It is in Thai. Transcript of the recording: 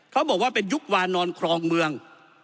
เขาบอกว่าเป็นยุควานอนครองเมือง